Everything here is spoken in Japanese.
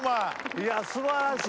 いや素晴らしい。